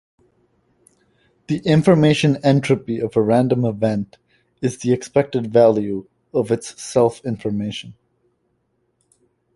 The information entropy of a random event is the expected value of its self-information.